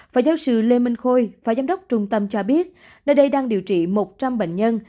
và giáo sư lê minh khôi phó giám đốc trung tâm cho biết nơi đây đang điều trị một trăm linh bệnh nhân